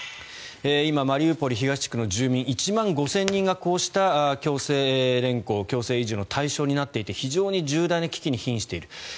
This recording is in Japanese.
今、マリウポリの東地区の住民１万５０００人がこうした強制連行強制移住の対象になっていて非常に重大な危機に瀕している。